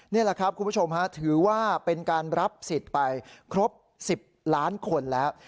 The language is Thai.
นี่แหละครับคุณผู้ชมถือว่าเป็นการรับสิทธิ์ไปครบ๑๐ล้านคนแล้ว